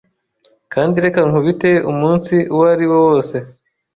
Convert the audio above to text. Kandi reka nkubite umunsi uwariwo wose